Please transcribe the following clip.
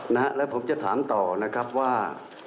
นะฮะแล้วผมจะถามต่อนะครับว่า